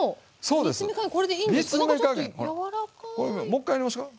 もう１回やりましょうか。